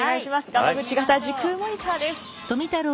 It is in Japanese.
ガマグチ型時空モニターです。